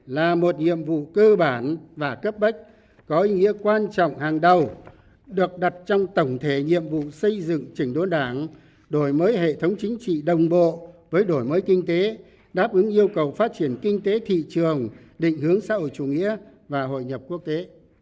là một nhiệm vụ cơ bản và cấp bách có ý nghĩa quan trọng hàng đầu được đặt trong tổng thể nhiệm vụ xây dựng chỉnh đốn đảng đổi mới hệ thống chính trị đồng bộ với đổi mới kinh tế đáp ứng yêu cầu phát triển kinh tế thị trường định hướng xã hội chủ nghĩa và hội nhập quốc tế